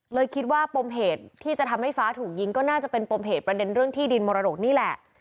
เลยคิดว่าปมเหตุที่จะทำให้ฟ้าถูกยิงก็น่าจะเป็นปมเหตุประเด็นเรื่องที่ดินมรดกนี่แหละ